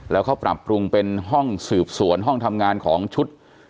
แล้วเขาปรับปรุงเป็นห้องสืบสวนห้องทำงานของชุด